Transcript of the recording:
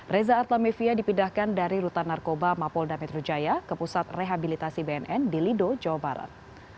reza artamevia dipindahkan dari rutan narkoba mapolda metro jaya ke pusat rehabilitasi bnn di lido jawa barat